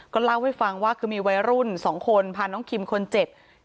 เล่าให้ฟังว่าคือมีวัยรุ่นสองคนพาน้องคิมคนเจ็บ